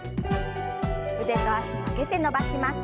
腕と脚曲げて伸ばします。